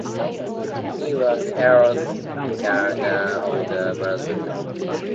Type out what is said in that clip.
He was Erroll Garner's older brother.